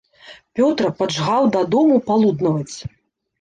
Пётра паджгаў да дому палуднаваць.